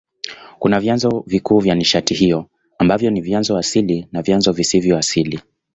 Kuna vyanzo vikuu vya nishati hiyo ambavyo ni vyanzo asili na vyanzo visivyo asili.